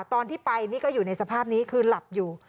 ตอนที่ไปนี่ก็อยู่ในสภาพนี้คือหลับอยู่